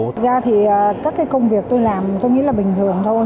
thực ra thì các cái công việc tôi làm tôi nghĩ là bình thường thôi